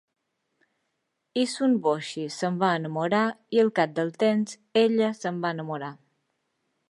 Issun-boshi se'n va enamorar i al cap del temps ella se'n va enamorar.